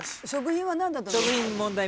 食品は何だったの？